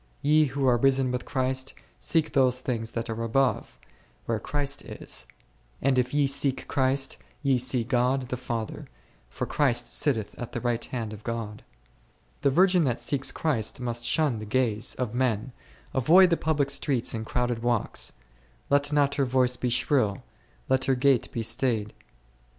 Ye who are risen with Christ, seek those things that are above, where Christ is; and if ye seek Christ, ye see God the Father, for Christ sitteth on the right hand of God. The virgin that seeks Christ must shun the gaze of men, avoid the public streets and crowded walks ; let not her voice be shrill ; let her gait be staid, herself n Jer.